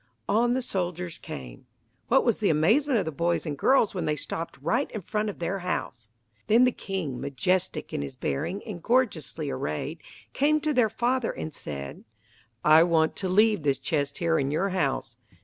On the soldiers came. What was the amazement of the boys and girls when they stopped right in front of their house! Then the king, majestic in his bearing and gorgeously arrayed, came to their father and said, "I want to leave this chest here in your house.